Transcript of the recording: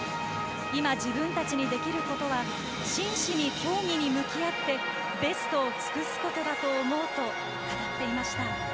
今、自分たちにできることは真摯に競技に向き合ってベストを尽くすことだと思うと語っていました。